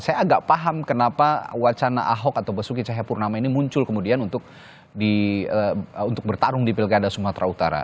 saya agak paham kenapa wacana ahok atau basuki cahayapurnama ini muncul kemudian untuk bertarung di pilkada sumatera utara